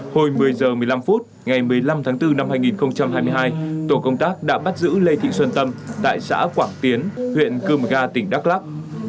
hồi một mươi h một mươi năm ngày một mươi năm tháng bốn năm hai nghìn hai mươi hai tổ công tác đã bắt giữ lê thị xuân tâm tại xã quảng tiến huyện cưm ga tỉnh đắk lắp